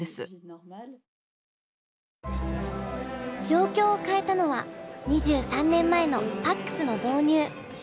状況を変えたのは２３年前のＰＡＣＳの導入。